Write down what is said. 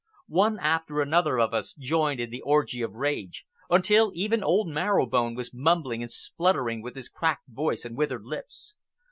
One after another of us joined in the orgy of rage, until even old Marrow Bone was mumbling and spluttering with his cracked voice and withered lips.